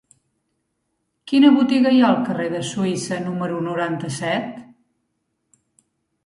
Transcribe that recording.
Quina botiga hi ha al carrer de Suïssa número noranta-set?